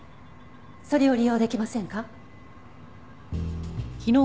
それを利用できませんか？